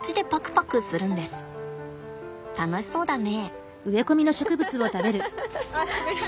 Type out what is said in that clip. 楽しそうだね。